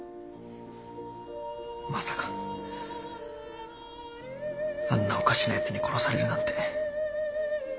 まさかあんなおかしなやつに殺されるなんて。